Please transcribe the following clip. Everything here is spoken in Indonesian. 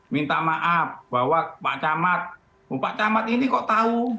minta maaf bahwa pak camat bapak camat ini kok tahu